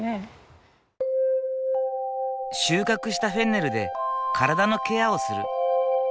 収穫したフェンネルで体のケアをする。